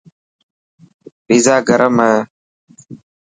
پيزا گرمي هي.